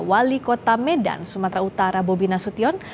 wali kota medan sumatera utara bobi nasution